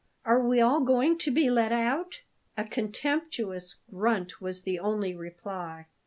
Are we all going to be let out?" A contemptuous grunt was the only reply.